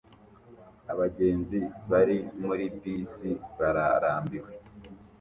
Abagenzi bari muri bisi bararambiwe